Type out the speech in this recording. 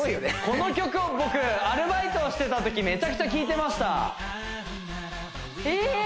この曲を僕アルバイトをしてたときめちゃくちゃ聴いてましたええー